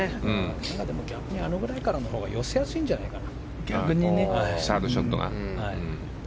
逆にあれくらいからのほうが寄せやすいんじゃないかな。